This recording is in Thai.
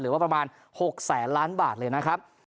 เหลือว่าประมาณ๖๐๐๐๐๐ล้านบาทเลยนะครับ